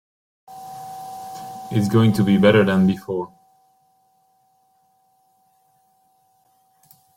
It is going to be better than before.